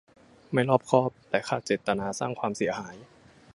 ไม่รอบคอบและขาดเจตนาสร้างความเสียหาย